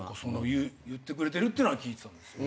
言ってくれてるってのは聞いてたんです。